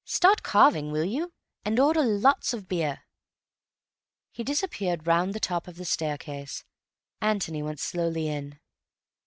Start carving, will you? And order lots of beer." He disappeared round the top of the staircase. Antony went slowly in.